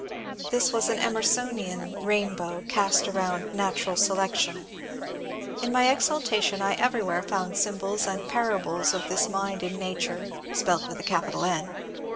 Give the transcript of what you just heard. This was an Emersonian " rainbow " cast around " Natural Selection." In my exaltation I everywhere found symbols and parables of this mind in Nature (spelt with a capital " N